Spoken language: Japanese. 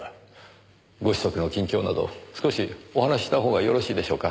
ご子息の近況など少しお話しした方がよろしいでしょうか？